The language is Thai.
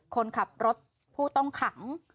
คนขับรถผู้ต้องขัง